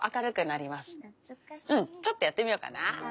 ちょっとやってみようかな。